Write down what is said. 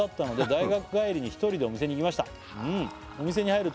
「大学帰りに一人でお店に行きましたお店に入ると」